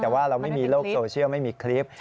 แต่ว่าเราไม่มีโลกโซเชียลไม่มีคลิป